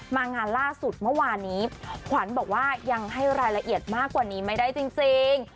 งานล่าสุดเมื่อวานนี้ขวัญบอกว่ายังให้รายละเอียดมากกว่านี้ไม่ได้จริง